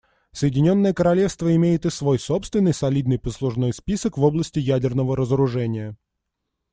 Соединенное Королевство имеет и свой собственный солидный послужной список в области ядерного разоружения.